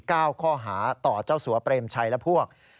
ข้อหาต่อเจ้าสัวเปรมชัยและพวก